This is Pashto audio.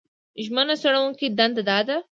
ژمن څېړونکي دنده دا ده